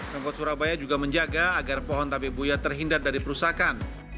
tempat surabaya juga menjaga agar pohon tabi buia terhindar dari perusakan